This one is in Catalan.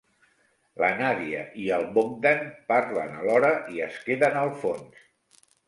La Nàdia i el Bógdan parlen alhora i es queden al fons.